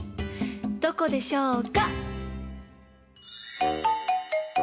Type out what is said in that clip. どこでしょうか？